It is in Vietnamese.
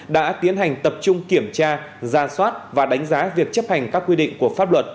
đã tiến hành tập trung kiểm tra ra soát và đánh giá việc chấp hành các quy định của pháp luật